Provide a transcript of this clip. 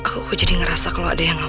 tuh aku jadi ngerasa kalau ada yang berkeley